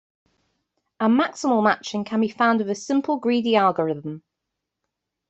A maximal matching can be found with a simple greedy algorithm.